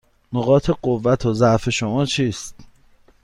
نقاط قوت و ضعف شما چیست؟